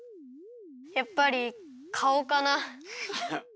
やっぱりかおかな。